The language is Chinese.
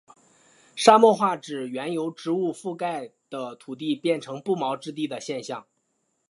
沙漠化指原由植物覆盖的土地变成不毛之地的现象。